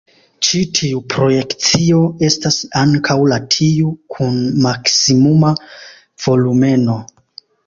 Ĉi tiu projekcio estas ankaŭ la tiu kun maksimuma volumeno.